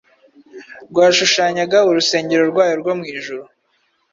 rwashushanyaga urusengero rwayo rwo mu ijuru,